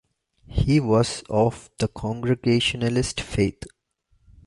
He was of the Congregationalist faith.